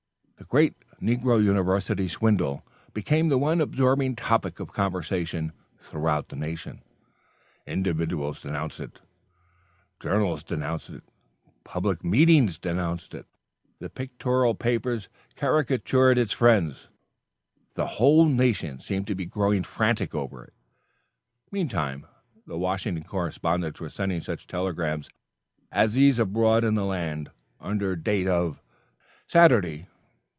The great "Negro University Swindle" became the one absorbing topic of conversation throughout the Union. Individuals denounced it, journals denounced it, public meetings denounced it, the pictorial papers caricatured its friends, the whole nation seemed to be growing frantic over it. Meantime the Washington correspondents were sending such telegrams as these abroad in the land; Under date of SATURDAY.